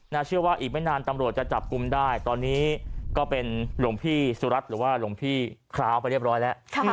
เชื่อว่าอีกไม่นานตำรวจจะจับกลุ่มได้ตอนนี้ก็เป็นหลวงพี่สุรัตน์หรือว่าหลวงพี่คร้าวไปเรียบร้อยแล้ว